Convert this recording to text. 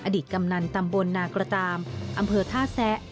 อดีตกำนันตำบลนากระตามอำเภอท่าแซะ